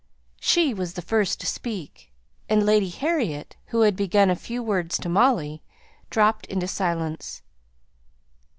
She was the first to speak; and Lady Harriet, who had begun a few words to Molly, dropped into silence.